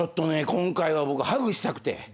今回は僕ハグしたくて。